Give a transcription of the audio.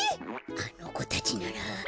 あのこたちなら。